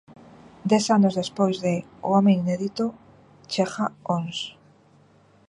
Dez anos despois de "O home inédito", chega "Ons".